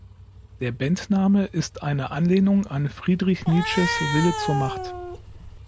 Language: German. Der Bandname ist eine Anlehnung an Friedrich Nietzsches „Wille zur Macht“.